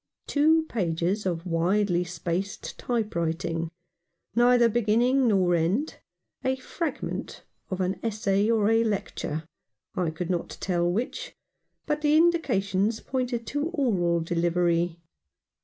Two pages of widely spaced type writing — neither beginning nor end — a fragment of an essay or a lecture, I could not tell which — but the indications pointed to oral delivery.